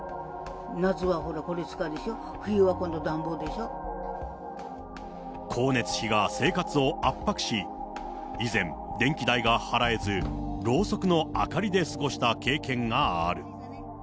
夏はほら、これ使うでしょ、光熱費が生活を圧迫し、以前、電気代が払えず、ろうそくの明かりで過ごした経験がある。